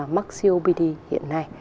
mắc copd hiện nay